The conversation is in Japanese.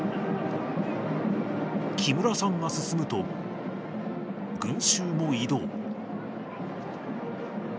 木村さんが進むと、群衆も移動。